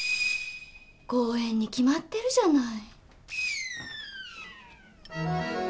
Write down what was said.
公園に決まってるじゃない。